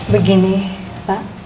gak ada wished bapak